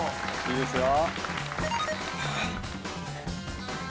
いいですよ。